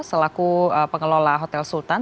selaku pengelola hotel sultan